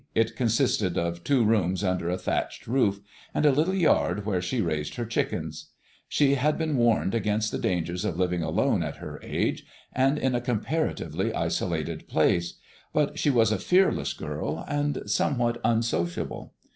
It consisted of two rooms under a thatched roof, and a little yard where she raised her chickens. She had been warned against the dangers of living alone at her age, and in a comparatively isolated place; but she was a fearless girl and somewhat unsociable.